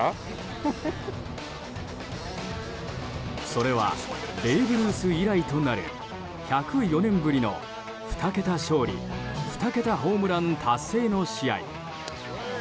それはベーブ・ルース以来となる１０４年ぶりの２桁勝利２桁ホームラン達成の試合。